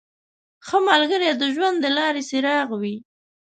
• ښه ملګری د ژوند د لارې څراغ وي.